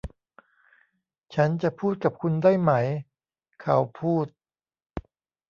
ฉันจะพูดกับคุณได้ไหม ? เขาพูด